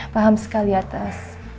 paham sekali atas